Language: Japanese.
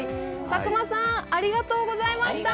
佐久間さん、ありがとうございました。